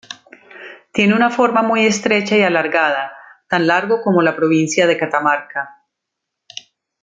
Tiene una forma muy estrecha y alargada, tan largo como la provincia de Catamarca.